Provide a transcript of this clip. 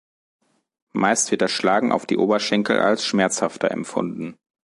Meist wird das Schlagen auf die Oberschenkel als schmerzhafter empfunden.